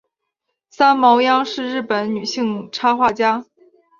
三毛央是日本女性插画家。